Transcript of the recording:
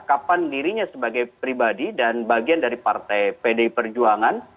kapan dirinya sebagai pribadi dan bagian dari partai pdi perjuangan